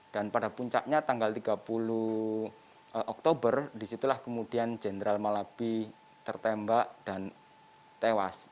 dan pada puncaknya tanggal tiga puluh oktober disitulah kemudian jenderal malabi tertembak dan tewas